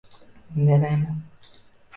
Merayma!